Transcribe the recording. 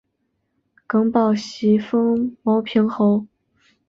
耿宝袭封牟平侯。